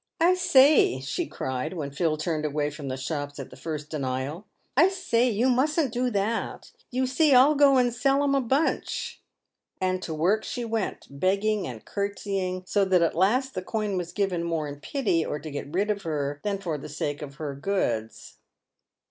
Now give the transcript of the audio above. " I say," she cried, when Phil turned away from the shops at the first denial, —" I say, you musn't do that I You see I'll go and sell 'em a bunch !" And to work she went, begging and curtseying, so that at last the coin was given more in pity, or to get rid of her, than for the sake of her goods.